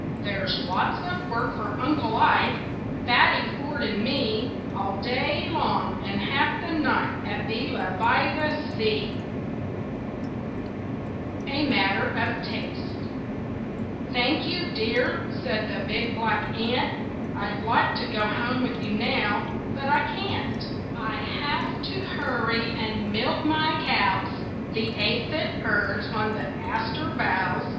There's lots of work for Uncle Ike, Fatty Ford and me All day long and half the night At Beela by the sea. A MATTER OF TASTE "Thank you, dear," said the big black ant, "I'd like to go home with you now, but I can't. I have to hurry and milk my cows The aphid herds on the aster boughs."